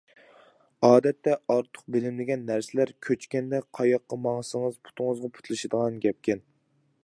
ئادەتتە ئارتۇق بىلىنمىگەن نەرسىلەر كۆچكەندە قاياققا ماڭسىڭىز پۇتىڭىزغا پۇتلىشىدىغان گەپكەن.